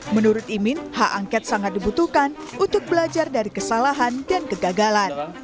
menurut imin hak angket sangat dibutuhkan untuk belajar dari kesalahan dan kegagalan